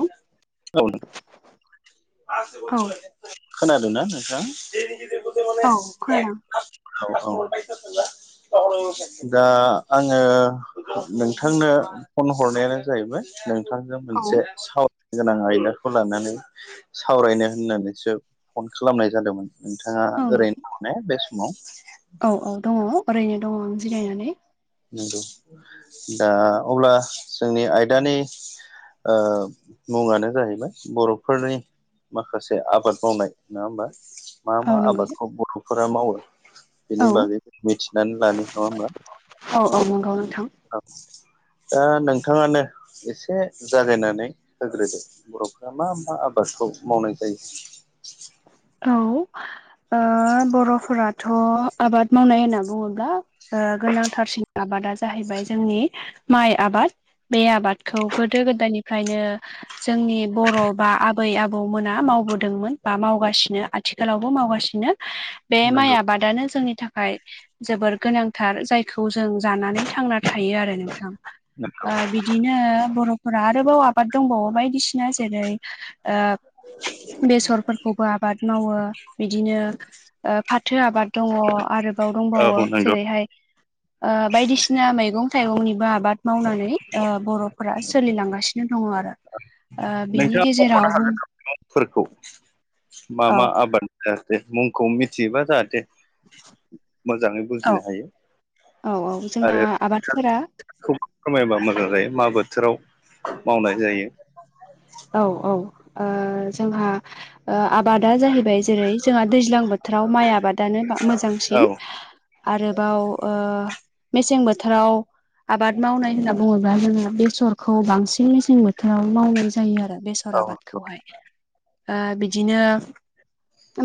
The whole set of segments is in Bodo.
औ औ नों खोनादोंनाा नोंथां? औ खानादों। दा आङो नोंथांनो फन हरनायानो जाहैबाय नोंथांजों औ मोनसे सावरायनो गोनां आयदाखौ लानानै सावरायनो होननानैसो फन खालामनाय जादोंमोन। नोंथाङा औ ओरैनो दङने बे समाव? औ औ दङ ओरैनो दङ आं जिरायनानै। नंगौ दा अब्ला जोंनि आयदानि मुङानो जाहैबाय बर'फोरनि माखासे आबाद मावनाय नङा होमबा मा औ मा नंगौ आबादखौ बर'फोरा मावो बेनि औ बागै मिथिनानै लानाय नङा होमबा? औ औ नंगौ नोंथां। औ दा नोंथाङानो एसे जागायनानै होग्रोदो बर'फ्रा मा मा आबादखौ मावनाय जायो। औ बर'फोराथ' आबाद मावनाय होनना बुङोब्ला गोनांथारसिन आबादा जाहैबाय जोंनि माइ आबाद। बे आबादखौ गोदो गोदायनिफ्रायनो जोंनि बर' बा आबै आबौमोना मावबोदोंमोन बा मावगासि नो आथिखालावबो मावगासिनो बे माइ नंगौ आबादानो जोंनि थाखाय जोबोर गोनांथार जायखौ जों जानानै थांना थायो आरो नोंथां? बिदिनो बर'फोरा आरोबाव आबाद दंबावो बायदिसिना जेरै बेसरफोरखौबो आबाद मावो बिदिनो फाथो आबाद दङ आरो बाव दंबावो औ नंगौ जेरैहाय बायदिसिना मैगं थाइगंनिबो आबाद मावनानै बर'फोरा सोलिलांगासिनो दङ आरो। [unintelligible] बिनि गेजेराव बुं फोरखौ मा औ मा आबाद जाहाथे मुंखौ मिथियोबा जाहाथे मोजाङै औ बुजिनो हायो औ औ जोंना आरो खोथाखौ आबादफोरा फोरमायबा मोजां जायो मा बोथोराव मावनाय जायो। औ औ जोंहा आबादा जाहैबाय जेरै जोंहा दैज्लां बोथ थोराव माइ आबादानो औ मोजांसिन। आरोबाव मेसें बोथोराव आबाद मावनाय होनना बुङोब्ला जोङो बेसरखौ बांसिन मेसें बोथोराव मावनाय जायो आरो बेस सर औ आबादखौहाय बिदिनो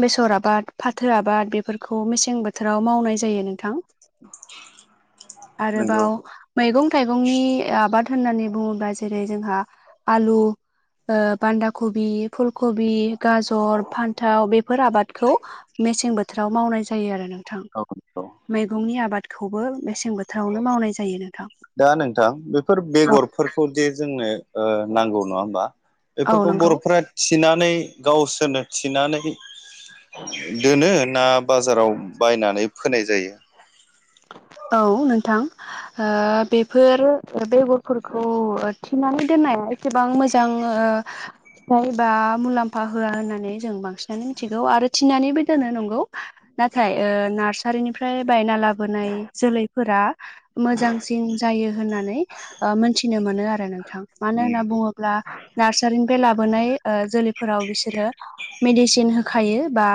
बेसर आबाद फाथो आबाद बेफोरखौ मेसें बोथोराव मावनाय जायो नोंथां। नंगौ आरोबाव मैगं थाइगंनि आबाद होननानै बुङोब्ला जेरै जोंहा आलु बान्दा कबि फुलकबि गाजर फान्थाव बेफोर आबादखौ मेसें बोथोराव मावनाय जायो आरो नोंथां। औ नंगौ मैगंनि आबादखौबो मेसें बोथ दा नोंथां बेफोर बेगरफोर खौ दि जोंनो नांगौ नङा होमबा औ बेफोरखौ नंगौ बर'फ्रा थिनानै गावसोरनो थिनानै दोनो ना बाजाराव बायनानै फोनाय जायो। औ नोंथां। बेफोर बेगरफोरखौ थिनानै दोननाया गोबां मोजां बा मुलाम्फा होआ होननानै जों बांसिनानो मिथिगौ आरो थिननानैबो दानो नंगौ नाथाय ओ नारसारिनिफ्राय बायना लाबोनाय जोलैफोरा मोजांसिन जायो होननानै मोनथिनो मोनो आरो नोंथां मानो उम होनना बुङोब्ला नारनि लाोनाय जैफोराव बिसोरो मेदिसिन हो खायो बा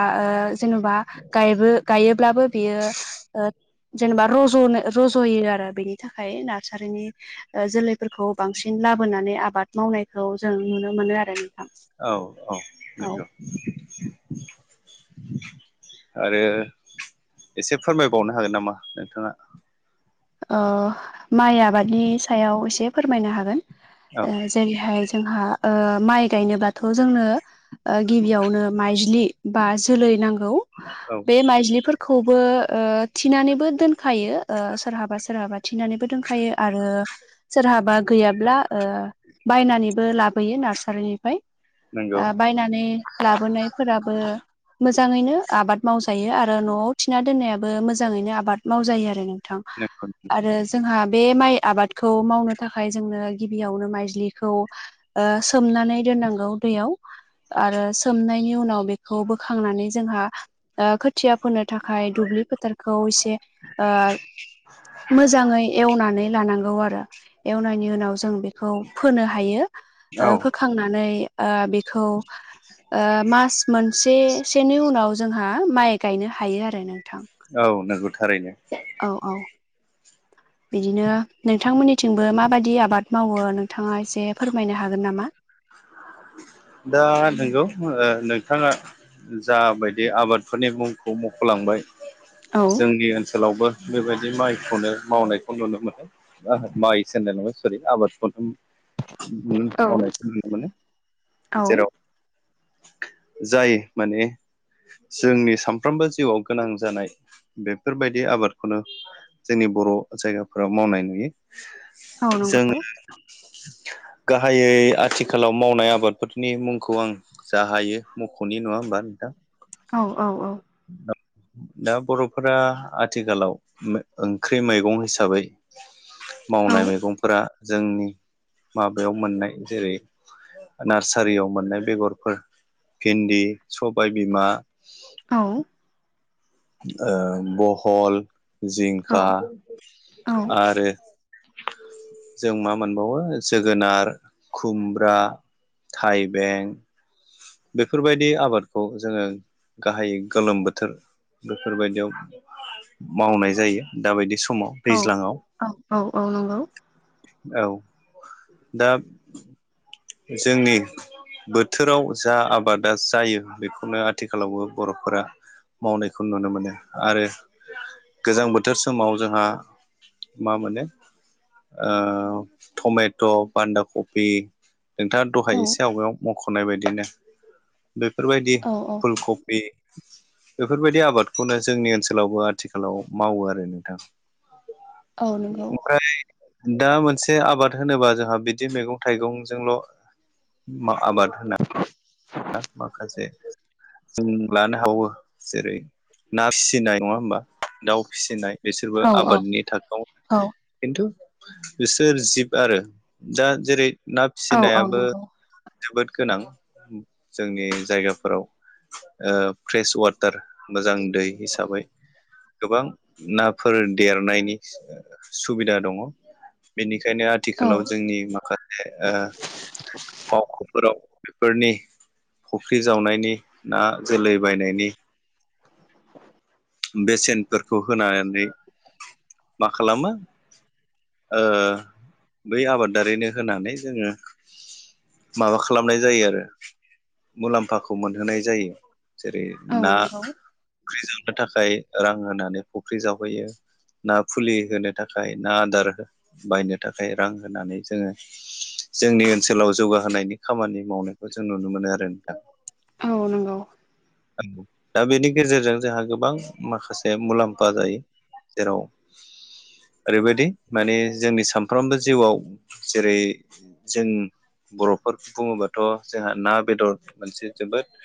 जेन'बाबो गायोब्लाबो बेयो जेनेबा रज'नो रज'यो आरो बेनि थाखाय नारसारिनि जोलै खौ बांसिन लाबोनानै आबाद मावनायखौ जों नुनो मोनो आरो नोंथां औ औ औ नगौ आरो एसे फोरमायबावनो हागोन नामा नोंथाङा माइ आबादनि सायाव एसे फोरमायनो हागोन औ जेरैहाय जोंहा माइ गायनोबाथ' जोंनो गिबियावनो माइज्लि बा जोलै नांगौ औ बे माइलि खौबो थिनानैबो दोनखायो सोरहाबा सोरहाबा थिनानैबो दोनखायो आरो सोरहाबा गैयाब्ला बायनानैबो लाबोयो नारसारिनिफ्राय नंगौ बायनानै लाबोनायफोराबो मोजाङैनो आबाद मावजायो आरो न'आव थिना दोननायाबो मोजाङैनो आबाद मावजायो आरो नोंथां नंगौ आरो जोंहा बे माइ आबादखौ मावनो थाखाय जोंनो गिबियावनो माइज्लिखौ सोमनानै दोननांगौ दैयाव आरो सोमनायनि उनाव बेखौ बोखांनानै जोंहा खुथिया फोनो थाखाय दुब्लि फोथारखौ एसे मोजाङै एवनानै लानांगौ आरो एवनायनि उनाव जों बेखौ फोनो हायो औ खांनानै बेखौ मास मोनसे सेनि उनाव जोंहा माइ गायनो हायो आरो नोंथां औ नोंगौ थारैनो औ औ बिदिनो नोंथांमोननिथिंबो माबायदि आबाद मावो नोंथाङा एसे फोरमायनो हागोन नामा दा नंगौ नोंथाङा जाबायदि आबादफोरनि मुंखौ मख'लांबाय औ जोंनि ओनसोलावबो बेबायदि माइखौनो मावनायखौ नुनो मोनो माइ सोहोनलाय नङा सरि आबादखौथ न औ मावनायखौ नुनो मोनो औ जेराव जाय माने जोंनि सानफ्रोमबो जिउआव गोनां जानाय बेफोरबायदि आबादखौनो जोंनि बर' जायगाफोराव मावनाय नुयो औ नंगौ जोङो गाहायै आथिखालाव मावनाया आबादफोरनि मुंखौ आं जा हायो मख'नि नङा होमबा नोंथां औ औ औ दा बर'फोरा आथिखालाव ओंख्रि मैगं हिसाबै औ मावनाय मैगंफोरा जोंनि माबायाव मोननाय जेरै नारसारियाव मोननाय बेगरफोर भिन्दि सबाय बिमा औ बहल जिंखा औ आरो जों मा मोनबावो जोगोनार खुमब्रा थाइबें बेफोरबायदि आबादखौ जोङो गाहायै गोलोम बोथोर बेफोरबायदियाव मावनाय जायो दाबायदि समाव औ दैज्लाङाव औ औ औ नंगौ औ दा जोंनि बोथोराव जा आबादा जायो बेखौनो आथिखालावबो बर'फोरा मावनायखौ नुनो मोनो आरो गोजां बोथोर समाव जोंहा मा मोनो टमेट' बान्दा कफ नोंथाङा औ दहाय एसे आवगायाव मख'नाय बायदिनो बेफोरबायदि औ औ फुल कफि बेफोरबायदि आबादखौनो जोंनि ओनसोलावबो आथिखालाव मावो आरो नोंथां। औ नंगौ [unintelligible] ओमफ्राय दा मोनसे आबाद होनोबा जोंहा बिदि मैगं थाइगंजोंल' मा आबाद होना माखासे जों लानो हाबावो जेरै ना फिसिनाय नङा होमबा दाउ फिसिनाय बिसोरबो औ औ आबादनि थाखोआव खिन्थु बिसोर जिब आरो दा जेरै ना औ औ फिसिनायाबो नंगौ जोबोद गोनां। जोंनि जायगाफोराव ओ फ्रेस वा टार मोजां दै हिसाबै गोबां नाफोर देरनायनि सुबिदा दङ बेनिखायनो औ आथिखालाव जोंनि माखासे ओ मावखुफोराव बेफोरनि थि फुख्रि जावनायनि ना जोलै बायनायनि बेसेनफोरखौ होनानै मा खालामो ओ बै आबादारिनो होनानै जोङो माबा खालामनाय जायो आरो मुलाम्फाखौ मोनहोनाय जायो। जेरै औ ना नंगौ फुख्रि जावनो थाखाय रां होनानै फुख्रि जावहोयो। ना फुलि होनो थाखाय ना आदार बायनो थाखाय रां होनानै जोङो जोंनि ओनसोलाव जौगाहोनायनि खामानि मावनायखौ जों नुनो मोनो आरो नोंथां। औ नोंगौ। दा बेनि गेजेरजों जोंहा गोबां माखासे मुलाम्फा जायो। जेराव ओरैबायदि माने जोंनि सानफ्रोमबो जिउआव जेरै जों बर'फोर बुङोबाथ' जोंहा ना बेदर मोनसे जोबोद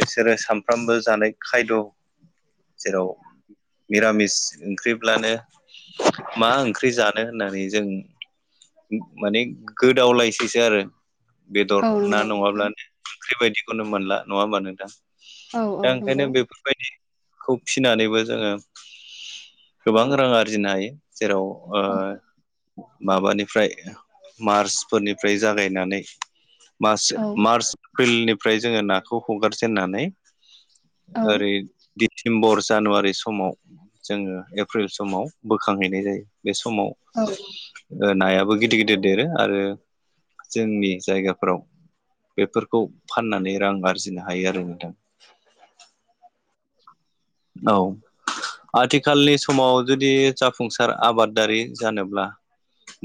बिसोरो सामफ्रामबो जानाय खायद' जेराव मिरामिस ओंख्रिब्लानो मा ओंख्रि जानो मानो होननानै जों माने गोदावलायसैसो आरो। बेदर औ ना नंगौ नोंथां नङाब्लानो ओंख्रि बायदिखौनो मोनला नङा होमबा नोंथां? औ औ दा ओंखायनो नंगौ बे बेबायदिखौ फिनानैबो जोङो गोबां रां आरजिनो हायो। जेराव औ ओ माबानिफ्राय मार्चफोरनिफ्राय जागायनानै मास औ मार्च एप्रिलनिफ्राय जोङो नाखौ हगारजेननानै ओरै डिसेम्बर जानुवारि समाव जोङो एप्रिल समाव बोखांहैनाय जायो बे समाव औ। ओ नायाबो गिदिर गिदिर देरो आरो जोंनि जायगाफोराव बेफोरखौ फाननानै रां आरजिनो हायो आरो नोंथां। औ। आथिखालनि समाव जुदि जाफुंसार आबादारि जानोब्ला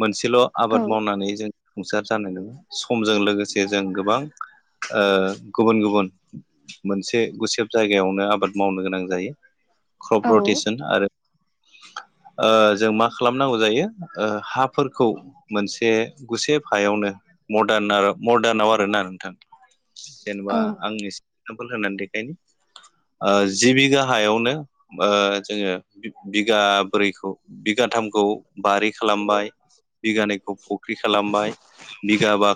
मोनसेल' औ आबाद मावनानै जों जाफुंसार जानांगौब्ला समजों लोगोसे जों गोबां ओ गुबुन गुबुन मोनसे गुसेब जायगायावनो आबाद मावनो गोनां जायो औ क्रब रतेसन आरो ओ जों मा खालामनांगौ जायो ओ हाफोरखौ मोनसे गुसेब हायावनो मदार्न-मदार्नाव आरोना नोंथां। जेनेबा आं एसे एगजामपोल होनानै देखायनि ओ जि बिघा हायावनो बा जोङो बिगाब्रैखौ बिगाथामखौ बारि खालामबाय। बिगानैखौ फुख्रि खालामबाय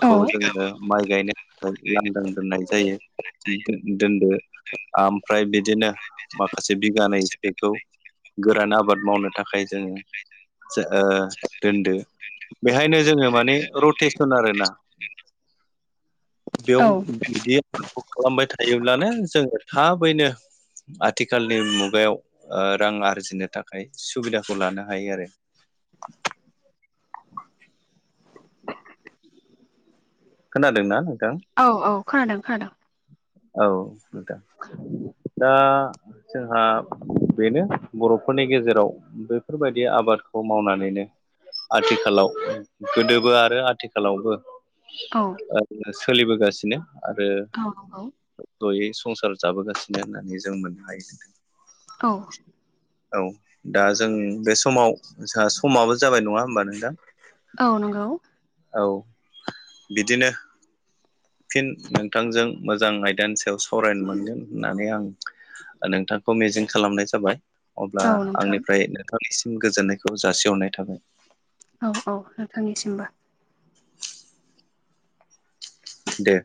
औ जोनो माइ गायनो लांदां दोननाय जायो दो-दोनदो ओमफ्राय बिदिनो माखासे बिगानैसोखौ गोरान आबाद मावनो थाखाय जोङो दोन्दो बेहायनो जोङो माने रटेसन आरो ना औ बेयाव बिदि आखलखौ खालामबाय थायोब्लानो जोङो थाबैनो आथिखालनि मुगायाव रां आरजिनो थाखाय सुबिदाखौ लानो हायो आरो। खोनादोंना नोंथाङा? औ औ खोनादों खोनादों। औ नोंथां दा जोंहा बेनो बर'फोरनि गेजेराव बेफोरबायदि आबादखौ मावनानैनो आथिखालाव गोदोबो आरो आथिखालावबो औ ओरैनो सोलिबोगासिनो आरो औ नंगौ जयै संसार जाबोगासिनो होननानै जों मोननो हायो नोंथां। औ औ दा जों बे समाव जोंहा समाबो जाबाय नङा होमबा नोंथां? औ नंगौ। औ बिदिनो फिन नोंथांजों मोजां आयदानि सायाव सरायनो मोनगोन होननानै आं नोंथांखौ मिजिं खालामनाय जाबाय। अब्ला औ नोंथां आंनिफ्राय नोंथांनिसिम गोजोननायखौ जासिहरनाय थाबाय। औ औ नोंथांनि सिमबो। दे